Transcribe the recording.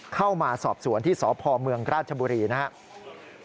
เข้ามาสอบสวนที่สพเมืองราชบุรีนะครับ